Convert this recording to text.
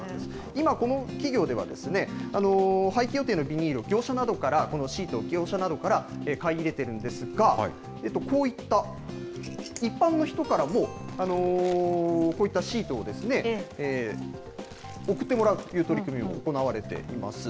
今、この企業では、廃棄予定のビニールを業者などから、シートを、業者などから買い入れているんですが、こういった一般の人からも、こういったシートを送ってもらうという取り組みも行われています。